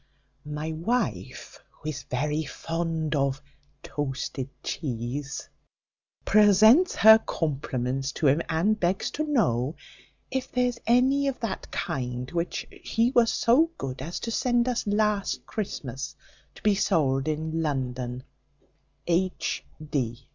My wife, who is very fond of toasted cheese, presents her compliments to him, and begs to know if there's any of that kind, which he was so good as to send us last Christmas, to be sold in London. H.